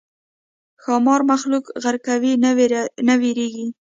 ښامار مخلوق غرقوي نو وېرېږي.